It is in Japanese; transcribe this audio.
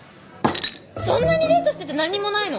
そんなにデートしてて何にもないの？